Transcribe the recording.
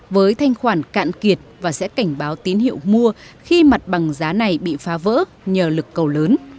với thanh khoản cạn kiệt và sẽ cảnh báo tín hiệu mua khi mặt bằng giá này bị phá vỡ nhờ lực cầu lớn